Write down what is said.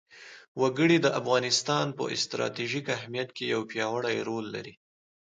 وګړي د افغانستان په ستراتیژیک اهمیت کې یو پیاوړی رول لري.